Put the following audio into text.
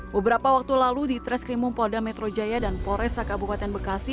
beberapa waktu lalu di tres krimum polda metro jaya dan pores saka bupaten bekasi